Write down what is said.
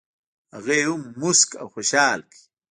هغه یې هم مسک او خوشال کړ.